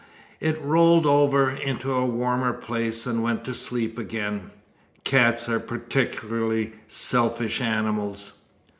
It rolled over into a warmer place and went to sleep again. Cats are particularly selfish animals.